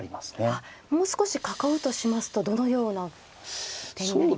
あっもう少し囲うとしますとどのような手になりますか。